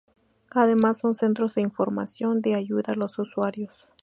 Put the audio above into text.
Además son centros de información y de ayuda a los usuarios.